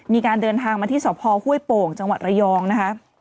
มีการเดินทางมาที่สพห้วยโป่งจังหวัดระยองนะคะ